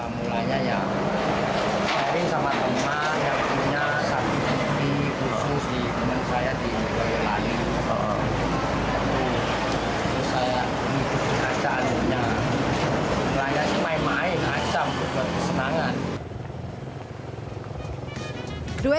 mulanya ya saya sama teman yang punya sapi ini khusus di teman saya di belanda